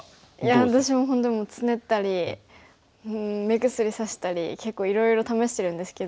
いや私も本当にもうつねったり目薬さしたり結構いろいろ試してるんですけど。